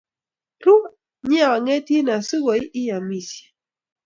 Ru, nyeang'etin asikolit ii amisye.